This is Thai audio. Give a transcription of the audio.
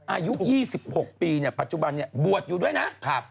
อายุ๒๖ปีปัจจุบันบวชอยู่ด้วยนะ